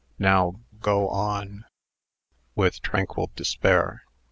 Now go on" (with tranquil despair).